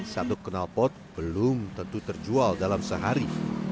satu kenalpot belum tentu terjual dalam sehari